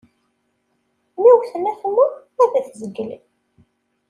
Mi wwten atemmu, ad t-zeglen.